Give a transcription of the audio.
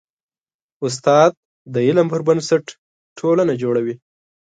استاد د علم پر بنسټ ټولنه جوړوي.